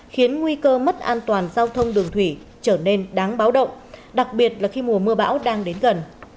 khiến nguy cơ mất an toàn giao thông đường thủy trở nên đáng báo động đặc biệt là khi mùa mưa bão đang đến gần